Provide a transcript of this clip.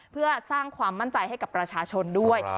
เพื่อสร้างความมั่นใจให้กับประชาชนด้วย